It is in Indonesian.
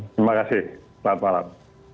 terima kasih selamat malam